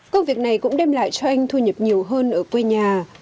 công việc này cũng đem lại cho anh thu nhập nhiều hơn ở quê nhà